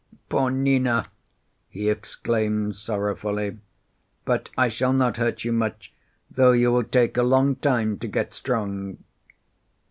"Poor Nina!" he exclaimed sorrowfully. "But I shall not hurt you much, though you will take a long time to get strong."